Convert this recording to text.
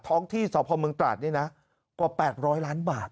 ท้องที่สพเมืองตราดนี่นะกว่า๘๐๐ล้านบาท